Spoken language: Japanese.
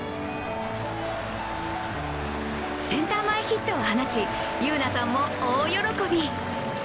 センター前ヒットを放ち、優来さんも大喜び。